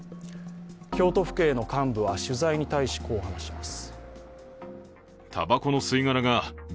京都府警の幹部は取材に対しこう話します。